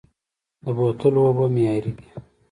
د بوتلو اوبه معیاري دي؟